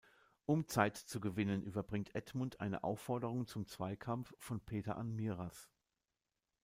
Um Zeit zu gewinnen, überbringt Edmund eine Aufforderung zum Zweikampf von Peter an Miraz.